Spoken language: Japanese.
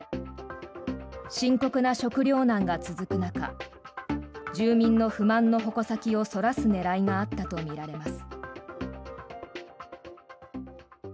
深刻な食糧難が続く中住民の不満の矛先をそらす狙いがあったとみられます。